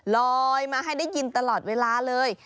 ลอยมาให้ได้ยินตลอดเวลาเลย